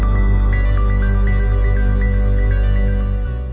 yang diadakan tahun lalu